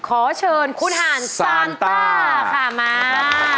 ขอเชิญคุณห่านซานต้าค่ะมา